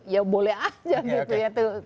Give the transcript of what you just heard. ya boleh aja gitu ya